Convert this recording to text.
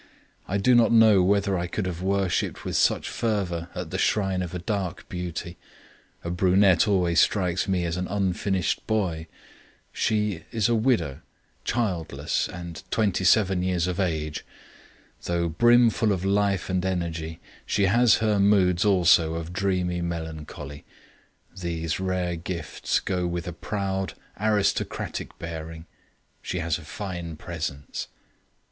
I do not know whether I could have worshiped with such fervor at the shrine of a dark beauty; a brunette always strikes me as an unfinished boy. She is a widow, childless, and twenty seven years of age. Though brimful of life and energy, she has her moods also of dreamy melancholy. These rare gifts go with a proud aristocratic bearing; she has a fine presence.